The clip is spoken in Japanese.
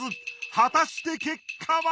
果たして結果は！？